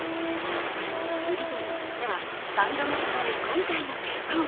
ブリトニーとしては３度目となる今回の結婚。